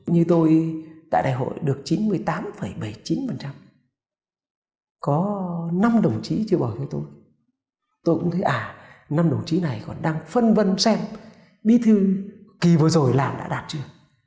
như tôi tại đại hội được chín mươi tám bảy mươi chín có năm đồng chí chưa bầu với tôi tôi cũng thấy à năm đồng chí này còn đang phân vân xem bí thư kỳ vừa rồi làm đã đạt chưa